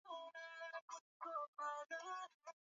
Roho wa Mungu, Bariki kenya.